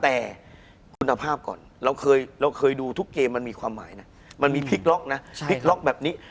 แต่คุณภาพก่อนเราเคยเราเคยดูทุกเกมมันมีความหมายนะมันมีพลิกล็อกนะพลิกล็อกแบบนี้